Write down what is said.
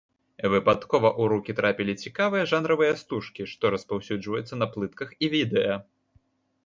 Выпадкова ў рукі трапілі цікавыя жанравыя стужкі, што распаўсюджваюцца на плытках і відэа.